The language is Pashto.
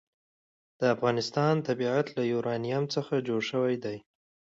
د افغانستان طبیعت له یورانیم څخه جوړ شوی دی.